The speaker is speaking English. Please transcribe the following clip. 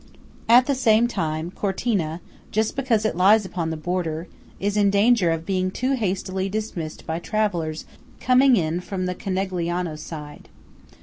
At the same time, Cortina, just because it lies upon the border, is in danger of being too hastily dismissed by travellers coming in from the Conegliano side.